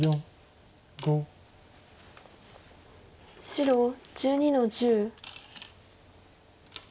白１２の十。